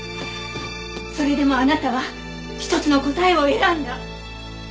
それでもあなたは一つの答えを選んだ！